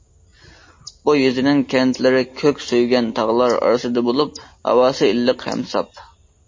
بۇ يېزىنىڭ كەنتلىرى كۆك سۆيگەن تاغلار ئارىسىدا بولۇپ، ھاۋاسى ئىللىق ھەم ساپ.